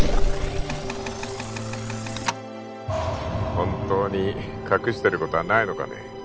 本当に隠してることはないのかね